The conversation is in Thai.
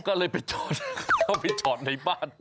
ก็เลยไปจอดในบ้าน